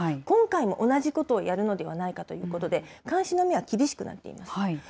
今回も同じことをやるのではないかということで、監視の目は厳しくなっています。